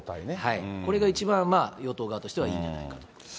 これが一番、与党側としてはいいんじゃないかと思います。